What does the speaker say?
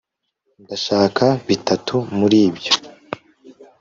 ndashaka bitatu muri byo